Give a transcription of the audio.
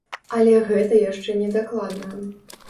Але гэта яшчэ не дакладна.